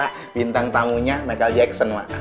nah bintang tamunya michael jackson mak